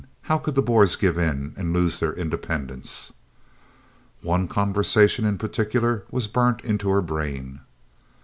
How could the Boers give in and lose their independence?" One conversation in particular was burnt into her brain.